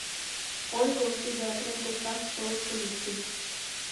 Ойго – тиде акрет годсак шолып полиций.